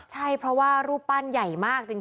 ใช่เพราะว่ารูปปั้นใหญ่มากจริง